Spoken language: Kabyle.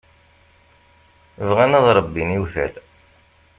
Bɣan ad ṛebbin iwtal.